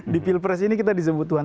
di pilpres ini kita disebut tuhan